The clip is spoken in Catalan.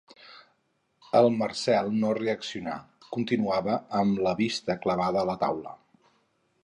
El Marcel no reaccionà Continuava amb la vista clavada a la taula.